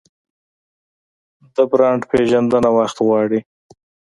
د برانډ پیژندنه وخت غواړي.